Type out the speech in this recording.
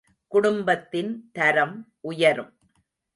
குடும்பத்தின் தரம் உயரும்.